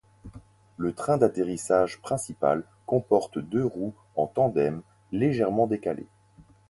Le train d'atterrissage principal comporte deux roues en tandem, légèrement décalées.